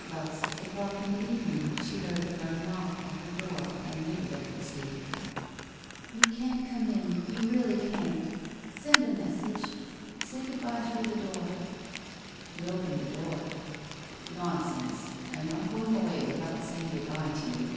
About six o'clock in the evening she heard a firm knock at her door and knew that it was he. ' You can't come in — you really can't. Send a message. Say good bye through the door.' He opened the door. ' Nonsense ! I am not going away without saying good bye to you.